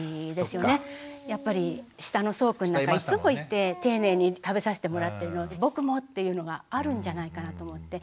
やっぱり下のそうくんなんかいつもいて丁寧に食べさせてもらってるので僕も！っていうのがあるんじゃないかなと思って。